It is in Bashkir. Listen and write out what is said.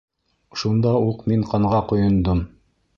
Шунда уҡ мин ҡанға ҡойондом.